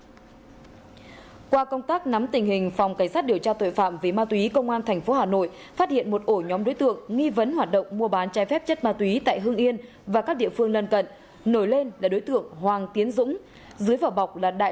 tin an ninh trả tự vào chiều nay phòng cảnh sát điều tra tội phạm về ma túy công an tp hcm cho biết vừa triệt phá thành công một ổ nhóm mua bán trái phép chất ma túy từ châu âu về việt nam bắt giữ bốn đối tượng và hơn sáu mươi hai kg ma túy tổng hợp các loại